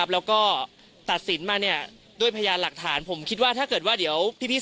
แล้วก็ตัดสินมาเนี่ยด้วยพยานหลักฐานผมคิดว่าถ้าเกิดว่าเดี๋ยวพี่